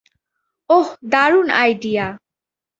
ওহ, দারুণ আইডিয়া।